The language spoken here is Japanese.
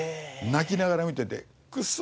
泣きながら見ててくそ！